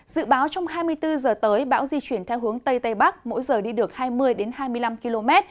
dự báo trong hai mươi bốn h tới bão di chuyển theo hướng tây tây bắc mỗi giờ đi được hai mươi hai mươi năm km